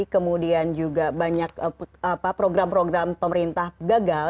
kemudian juga banyak program program pemerintah gagal